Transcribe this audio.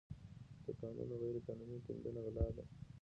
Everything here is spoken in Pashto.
د کانونو غیرقانوني کیندنه غلا ده.